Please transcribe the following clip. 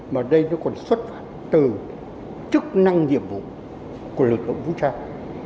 mà đây nó còn xuất phát từ chức năng nhiệm vụ của lực lượng vũ trang